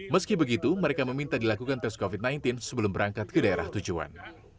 meski begitu mereka meminta dilakukan tes covid sembilan belas sebelum berangkat ke daerah tujuan